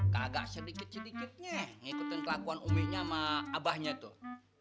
kagak sedikit sedikitnya ngikutin kelakuan uminya sama abahnya tuh